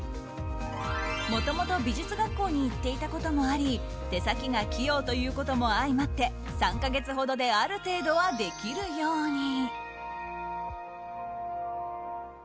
もともと美術学校に行っていたこともあり手先が器用ということも相まって３か月ほどである程度はできるように。